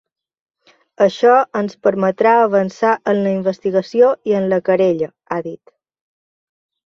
Això ens permetrà avançar en la investigació i en la querella, ha dit.